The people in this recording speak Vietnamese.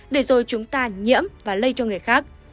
để rồi chúng ta nhiễm và lây cho người khác